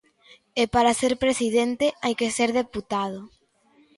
E para ser presidente, hai que ser deputado.